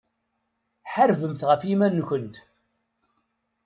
Ḥarbemt ɣef yiman-nkent.